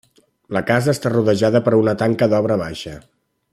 La casa està rodejada per una tanca d'obra baixa.